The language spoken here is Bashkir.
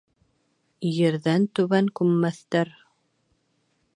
Ерҙән түбән күммәҫтәр.